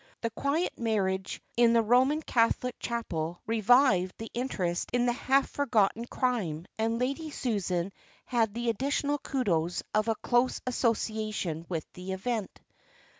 The quiet marriage in the Roman Catholic chapel revived the interest in the half forgotten crime, and Lady Susan had the additional kudos of a close association with the event.